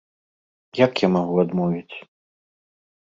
Як я магу адмовіць?